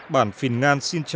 bản phìn ngăn xin trải